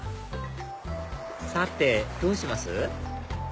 さてどうします？